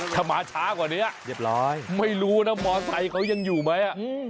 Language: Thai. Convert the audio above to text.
ถ้ามาช้ากว่านี้ไม่รู้นะมอเตอร์ไซค์เขายังอยู่ไหม